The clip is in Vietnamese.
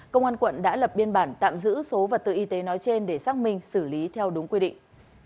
công an quận đã lập biên bản tạm giữ số vật tư y tế nói trên để xác minh xử lý theo đúng quy định